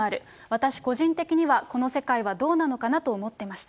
私個人的にはこの世界はどうなのかなと思ってました。